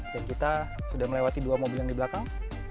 dan kita sudah melewati dua mobil yang di belakang